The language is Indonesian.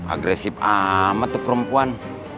agresif amat tuh perempuan